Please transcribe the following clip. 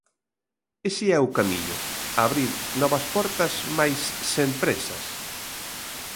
Ese é o camiño, abrir novas portas mais sen présas.